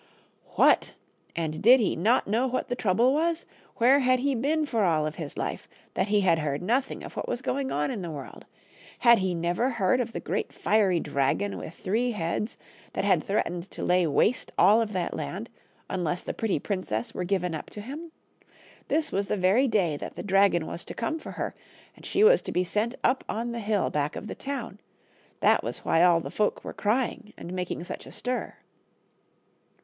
What ! and did he not know what the trouble was ? Where had he been for all of his life, that he had heard nothing of what was going on in the world ? Had he never heard of the great fiery dragon with three heads that had threatened to lay waste all of that land, unless the pretty princess were given up to him ? This was the very day that the dragon was to come for her, and she was to be sent up on the hill back of the town ; that was why all the folk were crying and making such a stir.